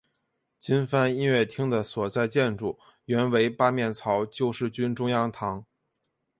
金帆音乐厅的所在建筑原为八面槽救世军中央堂。